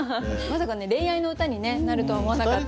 まさかね恋愛の歌になるとは思わなかったので。